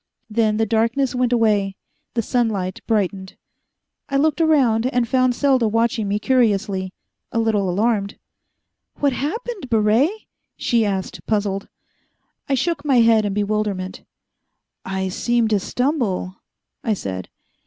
Then the darkness went away, the sunlight brightened. I looked around, and found Selda watching me curiously, a little alarmed. "What happened, Baret?" she asked, puzzled. I shook my head in bewilderment. "I seemed to stumble " I said.